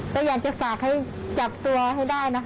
ก็อยากจะฝากให้จับตัวให้ได้นะคะ